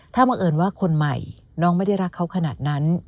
ถ้าบังเอิญว่าคนใหม่น้องไม่ได้รักเขาขนาดนั้น